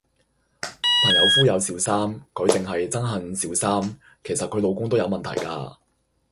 朋友夫有小三，佢淨係憎恨小三。其實佢老公都有問題㗎。